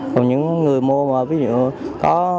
còn những người mua mà ví dụ có